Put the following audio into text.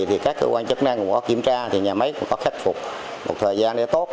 thì các cơ quan chức năng cũng có kiểm tra thì nhà máy cũng có khắc phục một thời gian để tốt